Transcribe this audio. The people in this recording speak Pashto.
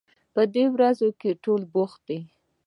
په دې ورځو کې ټول بوخت دي